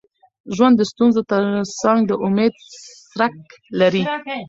ژوند د ستونزو تر څنګ د امید څرک لري.